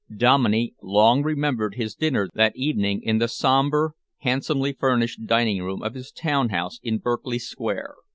Dominey long remembered his dinner that evening in the sombre, handsomely furnished dining room of his town house in Berkeley Square.